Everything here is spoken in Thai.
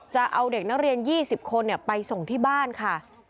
จะเอาเด็กนักเรียน๒๐คนไปส่งที่บ้านค่ะ